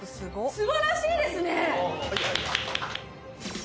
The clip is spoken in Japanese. すばらしいですね